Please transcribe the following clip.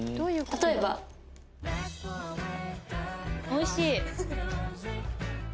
おいしい！